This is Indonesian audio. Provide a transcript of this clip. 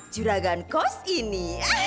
juragan cos ini